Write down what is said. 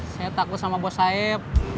saya takut sama bos saif